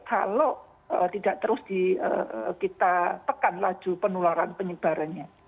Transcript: kalau tidak terus kita tekan laju penularan penyebarannya